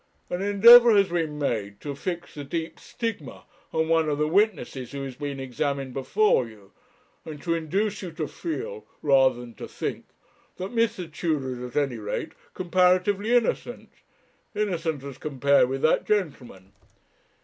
An endeavour has been made to affix a deep stigma on one of the witnesses who has been examined before you; and to induce you to feel, rather than to think, that Mr. Tudor is, at any rate, comparatively innocent innocent as compared with that gentleman.